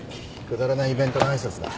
くだらないイベントの挨拶だ。